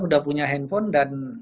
sudah punya handphone dan